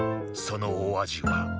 そのお味は